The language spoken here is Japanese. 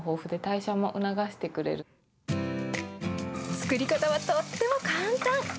作り方はとっても簡単。